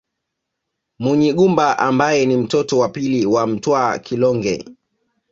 Munyigumba ambaye ni mtoto wa pili wa Mtwa Kilonge